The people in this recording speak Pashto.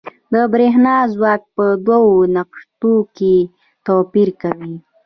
د برېښنا ځواک په دوو نقطو کې توپیر کوي.